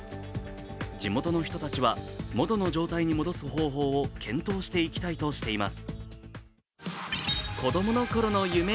地元の人たちは、元の状態に戻す方法を検討していきたいとしています。